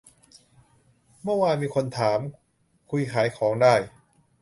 เมื่อวานมีคนถาม คุยขายของได้